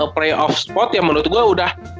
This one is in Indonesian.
playoff spot ya menurut gue udah